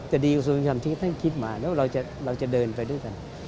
ดีกระทรวงธรรมที่ท่านคิดมาแล้วเราจะเดินไปด้วยกัน